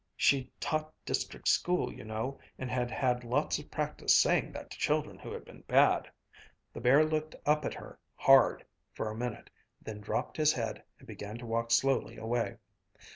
She'd taught district school, you know, and had had lots of practice saying that to children who had been bad. The bear looked up at her hard for a minute, then dropped his head and began to walk slowly away.